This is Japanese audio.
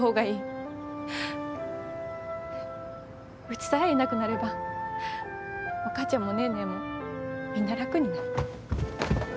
うちさえいなくなればお母ちゃんもネーネーもみんな楽になる。